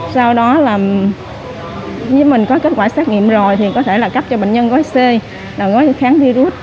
sau đó là với mình có kết quả xét nghiệm rồi thì có thể là cấp cho bệnh nhân gói c là gói kháng virus